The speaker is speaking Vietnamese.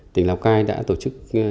tỉnh lào cai đã tổ chức